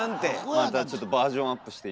またちょっとバージョンアップして。